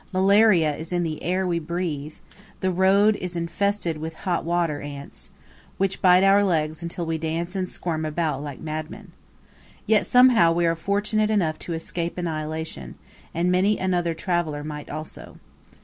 Malaria is in the air we breathe; the road is infested with "hotwater" ants, which bite our legs until we dance and squirm about like madmen. Yet, somehow, we are fortunate enough to escape annihilation, and many another traveller might also.